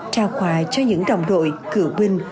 trao quà cho những đồng đội cựu binh